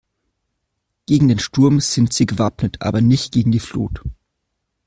Gegen den Sturm sind sie gewappnet, aber nicht gegen die Flut.